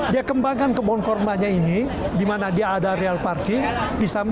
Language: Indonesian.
dia kan kebun kurmanya ini di mana dia ada real parking